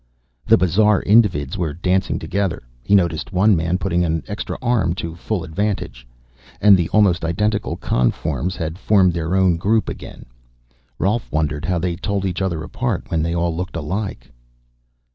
The bizarre Individs were dancing together he noticed one man putting an extra arm to full advantage and the almost identical Conforms had formed their own group again. Rolf wondered how they told each other apart when they all looked alike.